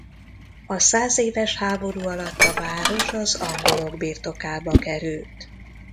A százéves háború alatt a város az angolok birtokába került.